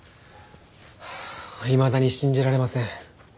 いまだに信じられません。